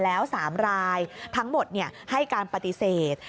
แล้ว๓รายทั้งหมดให้การปฏิเสธ